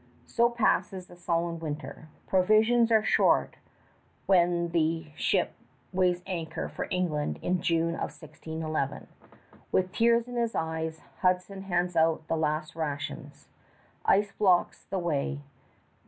So passes the sullen winter. Provisions are short when the ship weighs anchor for England in June of 1611. With tears in his eyes, Hudson hands out the last rations. Ice blocks the way.